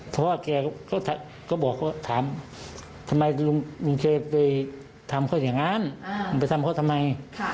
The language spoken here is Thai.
พ่อเกรก็บอกว่าทำไมลุงเจไปทำไม